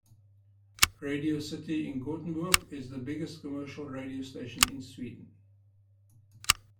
Radio City in Gothenburg is the biggest commercial radio station in Sweden.